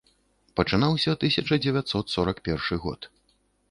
Пачынаўся тысяча дзевяцьсот сорак першы год.